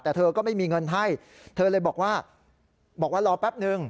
แต่เธอก็ไม่มีเงินให้เธอเลยบอกว่าบอกว่ารอแป๊บนึง